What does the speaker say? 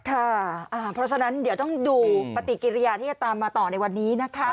เพราะฉะนั้นเดี๋ยวต้องดูปฏิกิริยาที่จะตามมาต่อในวันนี้นะคะ